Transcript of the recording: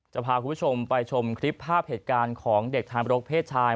จะพาคุณผู้ชมไปชมคลิปภาพเหตุการณ์ของเด็กทามรกเพศชาย